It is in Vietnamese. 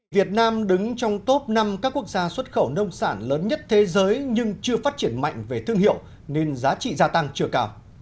việt nam đứng trong top năm các quốc gia xuất khẩu nông sản lớn nhất thế giới nhưng chưa phát triển mạnh về thương hiệu nên giá trị gia tăng chưa cao